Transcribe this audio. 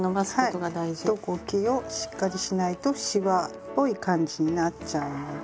糸こきをしっかりしないとシワっぽい感じになっちゃうので。